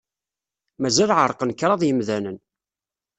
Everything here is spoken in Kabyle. Mazal ɛerqen kraḍ yemdanen.